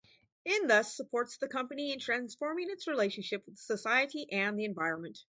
It thus supports the company in transforming its relationship with society and the environment.